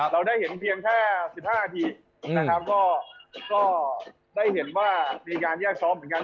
เราได้เห็นแค่๑๕นาทีก็ได้เห็นว่ามีการแยกซ้อมเหมือนกัน